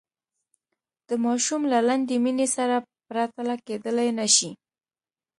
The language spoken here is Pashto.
د ماشوم له لنډې مینې سره پرتله کېدلای نه شي.